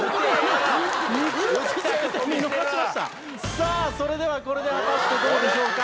さあそれではこれで果たしてどうでしょうか？